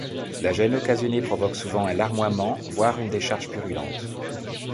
La gêne occasionnée provoque souvent un larmoiement, voire une décharge purulente.